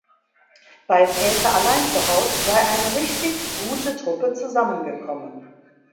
Bei ‚Väter allein zu Haus‘ sei „eine richtig gute Truppe zusammengekommen“.